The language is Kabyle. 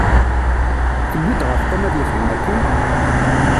Tewwi-d ɣef Tom ad yexdem akken?